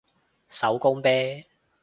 手工啤